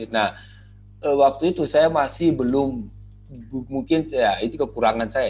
nah waktu itu saya masih belum mungkin ya itu kekurangan saya